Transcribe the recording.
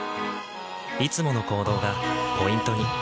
いつもの行動がポイントに。